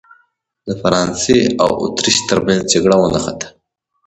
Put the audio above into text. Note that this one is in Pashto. د فرانسې او اتریش ترمنځ جګړه ونښته.